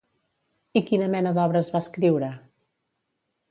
I quina mena d'obres va escriure?